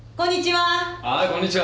はいこんにちは。